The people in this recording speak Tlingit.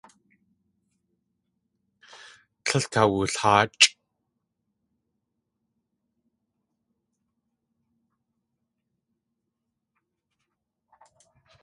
Tlél kawulháachʼ.